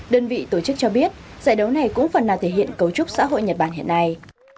đơn vị tổ chức cho biết giải đấu này cũng phần nào thể hiện cấu trúc xã hội nhật bản hiện nay